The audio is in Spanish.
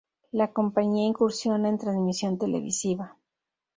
La compañía incursiona en transmisión televisiva.